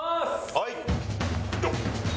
はい。